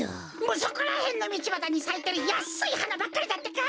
そこらへんのみちばたにさいてるやっすいはなばっかりだってか！